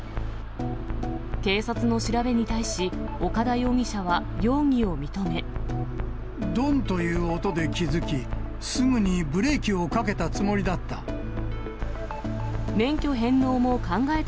警察の調べに対し、どんという音で気付き、すぐにブレーキをかけたつもりだった。